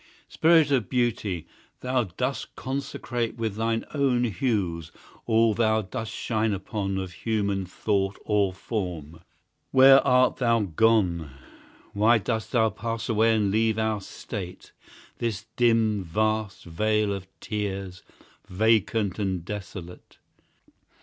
Spirit of Beauty, that dost consecrate With thine own hues all thou dost shine upon Of human thought or form, where art thou gone? Why dost thou pass away and leave our state, This dim vast vale of tears, vacant and desolate?